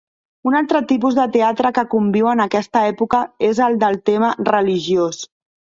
Un altre tipus de teatre que conviu en aquesta època és el de tema religiós.